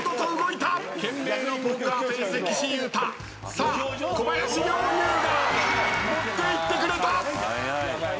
さあ小林陵侑が持って行ってくれた！